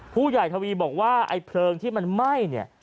ทวีบอกว่าไอ้เพลิงที่มันไหม้เนี่ย